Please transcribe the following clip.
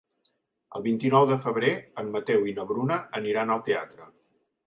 El vint-i-nou de febrer en Mateu i na Bruna aniran al teatre.